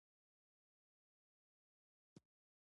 کابل د ټولو افغان ماشومانو د زده کړې یوه موضوع ده.